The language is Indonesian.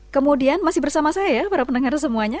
kemudian masih bersama saya ya para pendengar semuanya